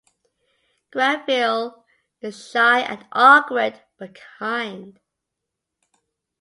Granville is shy and awkward, but kind.